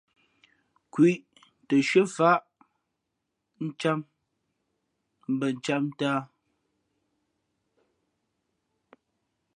Kweʼ ī tα nshʉ́ά faʼá ncām mbα ncām ntāā.